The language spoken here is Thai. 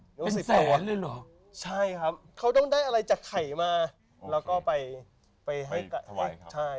รู้สึกร้อนเลยเหรอใช่ครับเขาต้องได้อะไรจากไข่มาแล้วก็ไปไปให้ไก่ใช่